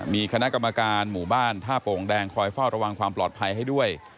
มีคณะกรรมการหมู่บ้านท่าโป่งแดงคอยเฝ้าระวังความปลอดภัยให้ด้วย